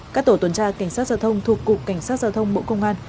các tổ tuần tra cảnh sát giao thông thuộc cục cảnh sát giao thông bộ công an